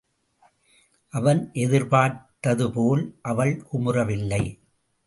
அவன் எதிர்பார்த்தது போல், அவள் குமுறவில்லை.